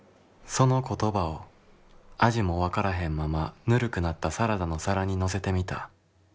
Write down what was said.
「その言葉を味も分からへんままぬるくなったサラダの皿に乗せてみた。